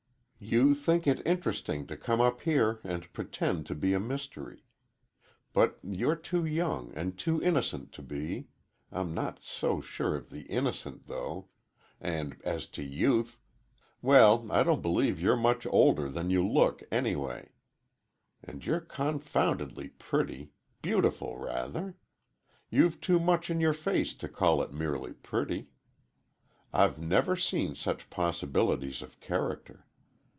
You think it interesting to come up here and pretend to be a mystery. But you're too young and too innocent to be—I'm not so sure of the innocent, though,—and as to youth,—well, I don't believe you're much older than you look any way. And you're confoundedly pretty—beautiful, rather. You've too much in your face to call it merely pretty. I've never seen such possibilities of character.